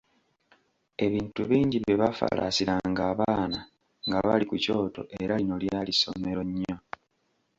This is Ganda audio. Ebintu bingi bye baafalaasiranga abaana nga bali ku kyoto era lino lyali ssomero nnyo.